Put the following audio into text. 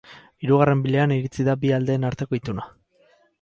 Hirugarren bileran iritsi da bi aldeen arteko ituna.